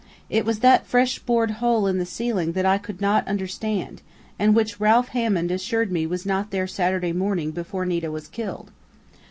It was that fresh bored hole in the ceiling that I could not understand, and which Ralph Hammond assured me was not there Saturday morning before Nita was killed....